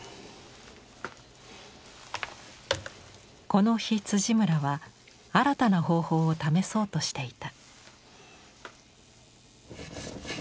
この日村は新たな方法を試そうとしていた。